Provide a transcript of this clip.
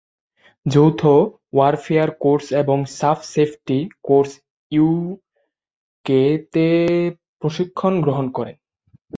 যৌথ warfare course এবং সাফ সেফটি কোর্স ইউ কে তে থেকে প্রশিক্ষণ গ্রহণ করেন।